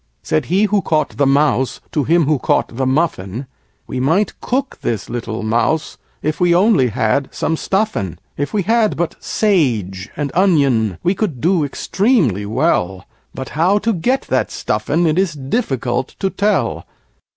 Said he who caught the Mouse to him who caught the Muffin, "We might cook this little Mouse, if we only had some Stuffin'! If we had but Sage and Onion we could do extremely well; But how to get that Stuffin' it is difficult to tell!"